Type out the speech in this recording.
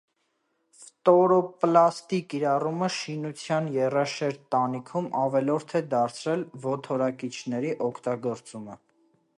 Ֆտորոպլաստի կիրառումը շինության եռաշերտ տանիքում ավելորդ է դարձրել ոդորակիչների օգտագործումը։